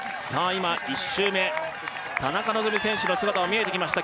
今１周目田中希実選手の姿が見えてきました